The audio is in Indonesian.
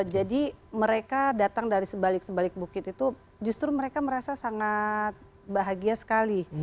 jadi mereka datang dari sebalik sebalik bukit itu justru mereka merasa sangat bahagia sekali